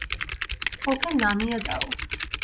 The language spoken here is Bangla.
ওকে নামিয়ে দাও।